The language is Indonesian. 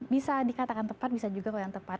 bisa dikatakan tepat bisa juga kurang tepat